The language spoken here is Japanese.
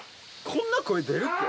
こんな声出るっけ？